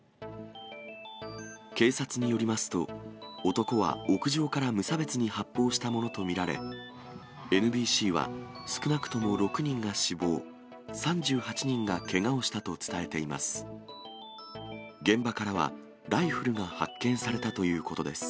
警察によりますと、男は屋上から無差別に発砲したものと見られ、ＮＢＣは、少なくとも６人が死亡、３８人がけがをしたと伝えています。